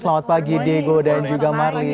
selamat pagi diego dan juga marli